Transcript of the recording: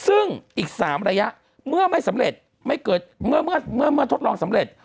ซึ่งอีกสามระยะเมื่อไม่สำเร็จไม่เกิดเมื่อเมื่อเมื่อทดลองสำเร็จ